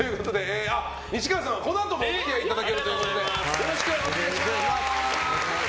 西川さんはこのあともお付き合いいただけるということでよろしくお願いします。